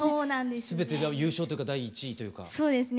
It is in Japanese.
すべて優勝とか第１位というか。